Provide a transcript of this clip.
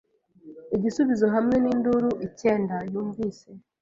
Igisubizo hamwe ninduru icyenda yumvise